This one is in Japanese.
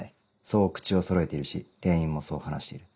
そう口をそろえているし店員もそう話している。